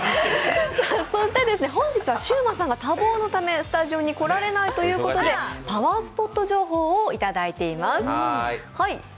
本日はシウマさんが多忙のためスタジオに来られないので、パワースポット情報をいただいています。